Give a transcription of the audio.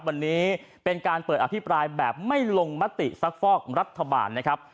วันนี้เป็นการเปิดอภิปรายแบบไม่ลงมติซักฟอกรัฐบาลนะครับ